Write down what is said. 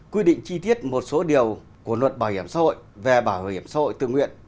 quy định chi tiết một số điều của luật bảo hiểm xã hội về bảo hiểm xã hội tự nguyện